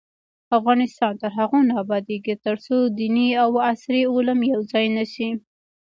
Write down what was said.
افغانستان تر هغو نه ابادیږي، ترڅو دیني او عصري علوم یو ځای نشي.